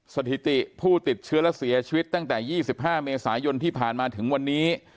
สถิติผู้ติดเชื้อและเสียชีวิตตั้งแต่๒๕เมษายนที่ผ่านมาถึงวันนี้